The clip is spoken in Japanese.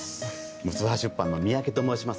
六葉出版の三宅と申します